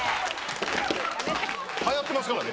流行ってますからね。